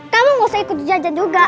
kamu gak usah ikut jajan juga